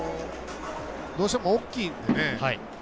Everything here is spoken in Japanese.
どうしても大きいのでね